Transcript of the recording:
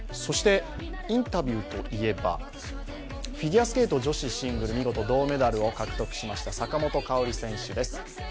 インタビューといえば、フィギュアスケート女子シングル見事銅メダルを獲得しました坂本花織選手です。